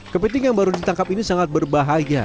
kepiting yang baru ditangkap ini sangat berbahaya